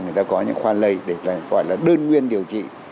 người ta có những khoan lây để gọi là đơn nguyên điều trị